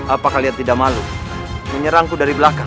apa kalian tidak malu menyerangku dari belakang